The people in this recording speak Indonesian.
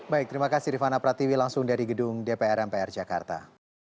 baik terima kasih rifana pratiwi langsung dari gedung dpr mpr jakarta